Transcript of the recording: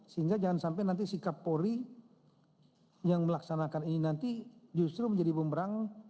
sehingga jangan sampai nanti sikap polri yang melaksanakan ini nanti justru menjadi pemberang